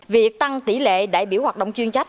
việc tăng tỷ lệ đại biểu hoạt động chuyên trách